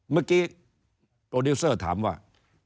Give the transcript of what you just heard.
เมื่อกี้โปรดิวเซอร์ถามว่า